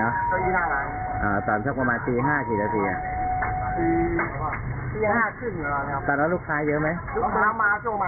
อ่าตามเท่าประมาณปีห้าที่ละตีนี้หน้ากล้ายเยอะไหม